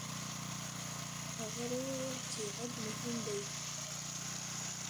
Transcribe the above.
هغه وویل چې غږ مهم دی.